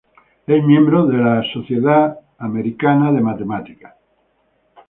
Es miembro de la American Mathematical Society.